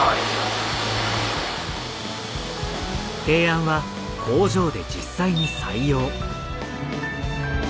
提案は工場で実際に採用。